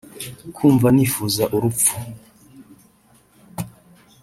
nkumva nifuza urupfu